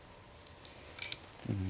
うん。